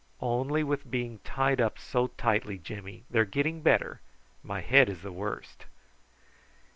"Only with being tied up so tightly, Jimmy. They're getting better. My head is the worst."